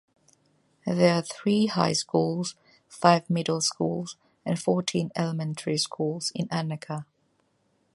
There are three high schools, five middle schools, and fourteen elementary schools in Annaka.